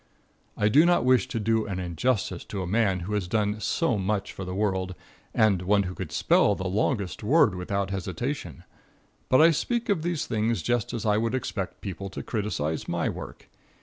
I do not wish to do an injustice to a man who has done so much for the world, and one who could spell the longest word without hesitation, but I speak of these things just as I would expect people to criticise my work.